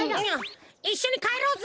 いっしょにかえろうぜ！